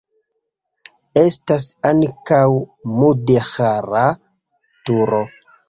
Estas ankaŭ mudeĥara turo.